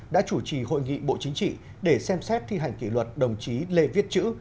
đã chủ trì hội nghị bộ chính trị để xem xét thi hành kỷ luật đồng chí lê viết chữ